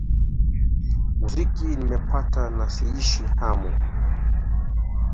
muziki nimepata na siishi hamu